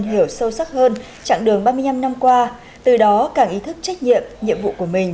hiểu sâu sắc hơn chặng đường ba mươi năm năm qua từ đó càng ý thức trách nhiệm nhiệm vụ của mình